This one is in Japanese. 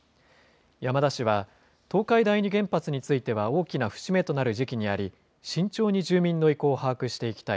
山田氏は東海第二原発については大きな節目となる時期にあり、慎重に住民の意向を把握していきたい。